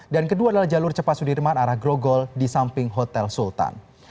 dan kedua adalah jalur cepat sudirman arah grogol di samping hotel sultan